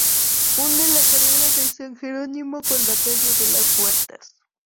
Une la carrera de San Jerónimo con la calle de las Huertas.